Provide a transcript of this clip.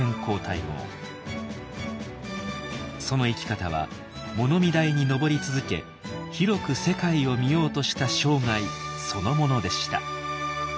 その生き方は物見台に上り続け広く世界を見ようとした生涯そのものでした。